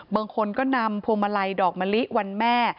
บางคนก็นำพวงมาลัยดอกมะลิวันแม่